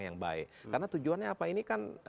yang baik karena tujuannya apa ini kan